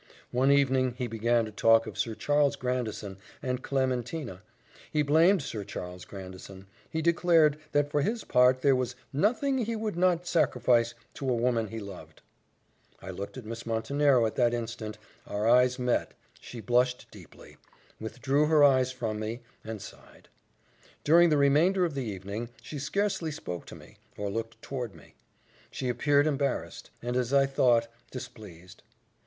One evening he began to talk of Sir Charles Grandison and Clementina he blamed Sir Charles Grandison; he declared, that for his part there was nothing he would not sacrifice to a woman he loved. I looked at Miss Montenero at that instant our eyes met she blushed deeply withdrew her eyes from me and sighed. During the remainder of the evening, she scarcely spoke to me, or looked toward me. She appeared embarrassed; and, as I thought, displeased.